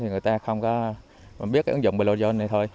thì người ta không biết ứng dụng bluezone này thôi